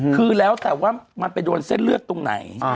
คือแล้วแต่ว่ามันไปโดนเส้นเลือดตรงไหน